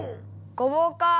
ごぼうかあ。